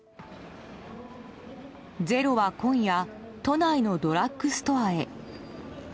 「ｚｅｒｏ」は今夜、都内のドラッグストアへ。